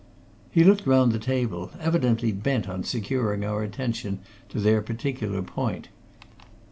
He looked round the table, evidently bent on securing our attention to their particular point.